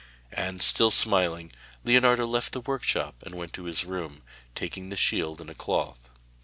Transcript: And still smiling, Leonardo left the workshop and went to his room, taking the shield in a cloth.